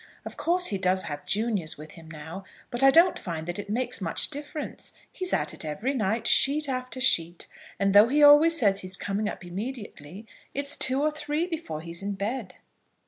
Of course he does have juniors with him now, but I don't find that it makes much difference. He's at it every night, sheet after sheet; and though he always says he's coming up immediately, it's two or three before he's in bed."